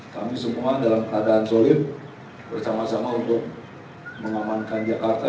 kami semua dalam keadaan solid bersama sama untuk mengamankan jakarta